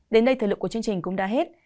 đến đây thời lượng của chương trình cũng đã hết